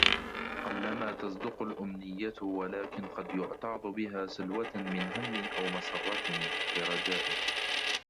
قَلَّمَا تَصْدُقُ الْأُمْنِيَّةُ وَلَكِنْ قَدْ يُعْتَاضُ بِهَا سَلْوَةً مِنْ هَمٍّ أَوْ مَسَرَّةٍ بِرَجَاءٍ